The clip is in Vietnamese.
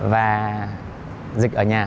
và dịch ở nhà